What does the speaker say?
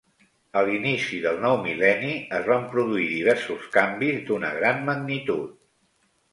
A l'inici del nou mil·leni es van produir diversos canvis d'una gran magnitud.